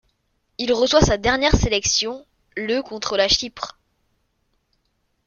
Il reçoit sa dernière sélection le contre la Chypre.